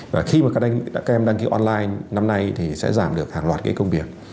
và khi mà các em đăng ký online năm nay thì sẽ giảm được hàng loạt cái công việc